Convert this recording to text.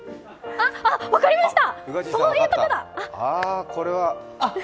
あっ、分かりました！